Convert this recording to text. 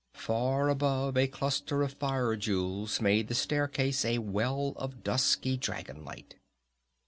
Far above a cluster of fire jewels made the staircase a well of dusky dragon light.